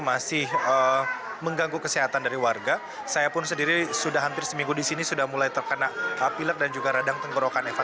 masih mengganggu kesehatan dari warga saya pun sendiri sudah hampir seminggu di sini sudah mulai terkena pilek dan juga radang tenggorokan eva